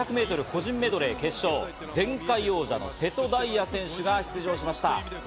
個人メドレー決勝には前回王者の瀬戸大也選手が出場しました。